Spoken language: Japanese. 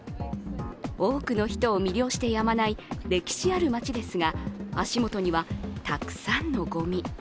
多くの人を魅了してやまない歴史ある街ですが、足元にはたくさんのごみ。